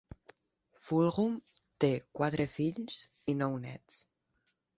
Fulghum té quatre fills i nou nets.